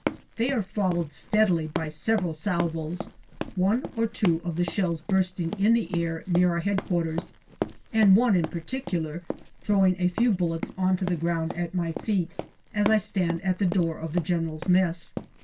They are followed steadily by several salvos, one or two of the shells bursting in the air near our H.Q., and one in par ticular throwing a few bullets onto the ground at my feet, as I stand at the door of the General's mess.